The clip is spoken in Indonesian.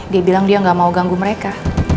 dia bilang dia nggak mau ganggu mereka